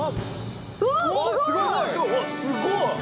すごい！